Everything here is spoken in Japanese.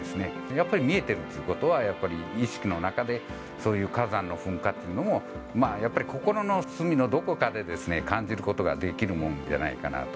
やっぱり見えているということは、やっぱり意識の中で、そういう火山の噴火というのも、やっぱり心の隅のどこかで感じることができるもんじゃないかなと。